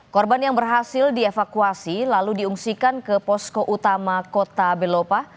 korban yang berhasil dievakuasi lalu diungsikan ke posko utama kota belopa